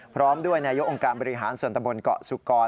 พร้อมด้วยนายกองค์การบริหารส่วนตะบนเกาะสุกร